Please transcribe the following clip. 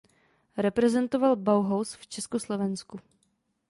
Reprezentoval Bauhaus v Československu.